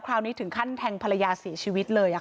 คราวนี้ถึงขั้นแทงภรรยาเสียชีวิตเลย